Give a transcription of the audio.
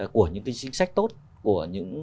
của những cái chính sách tốt của những